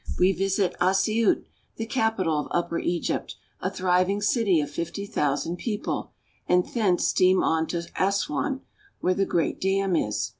We visit Assiout (as se oot'), the capital of Upper Egypt, a thriving city of fifty thousand people; and thence steam on to Assuan, where the great dam is.